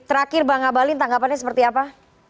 terakhir bang abalin tanggapannya seperti apa